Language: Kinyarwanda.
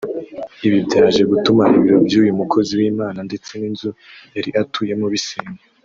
Ibi byaje gutuma ibiro by’uyu mukozi w’Imana ndetse n’inzu yari atuyemo bisenywa